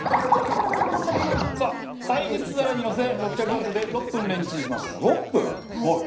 さあ耐熱皿にのせ６００ワットで６分レンチンします。